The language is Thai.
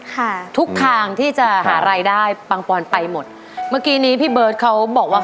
ค่ะทุกทางที่จะหารายได้ปังปอนไปหมดเมื่อกี้นี้พี่เบิร์ตเขาบอกว่า